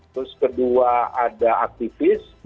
terus kedua ada aktivis